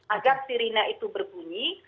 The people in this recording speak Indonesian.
agar sirine itu berbunyi